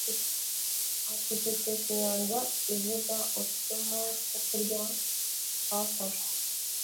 acecekesha injyana ivuza utudomo two kurya twafashwe